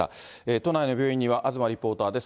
都内の病院には東リポーターです。